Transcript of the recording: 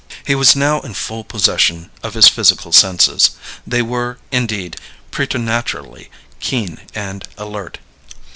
He was now in full possession of his physical senses. They were, indeed, preternaturally keen and alert.